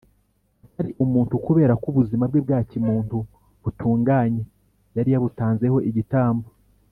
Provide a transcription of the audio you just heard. atari umuntu kubera ko ubuzima bwe bwa kimuntu butunganye yari yabutanzeho igitambo